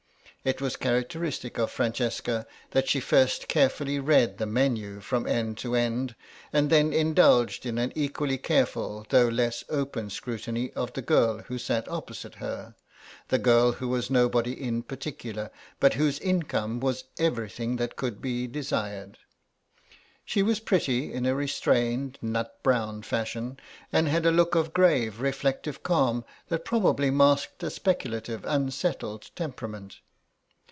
It was characteristic of Francesca that she first carefully read the menu from end to end, and then indulged in an equally careful though less open scrutiny of the girl who sat opposite her, the girl who was nobody in particular, but whose income was everything that could be desired. She was pretty in a restrained nut brown fashion, and had a look of grave reflective calm that probably masked a speculative unsettled temperament.